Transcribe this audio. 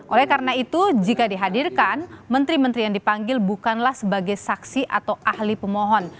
oleh karena itu jika dihadirkan menteri menteri yang dipanggil bukanlah sebagai saksi atau ahli pemohon